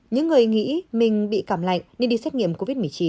những người nghĩ mình bị cảm lạnh nên đi xét nghiệm covid một mươi chín